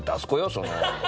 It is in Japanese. その。